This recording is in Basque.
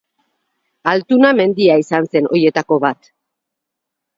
Altuna mendia izan zen horietako bat.